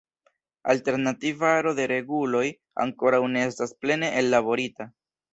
Alternativa aro de reguloj ankoraŭ ne estas plene ellaborita.